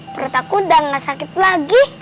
perut aku udah gak sakit lagi